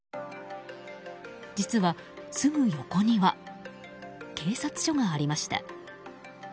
実は、すぐ横には警察署がありました。